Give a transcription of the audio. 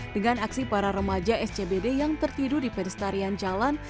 dengan aksi para remaja scbd yang tertidu di pedestarian jalan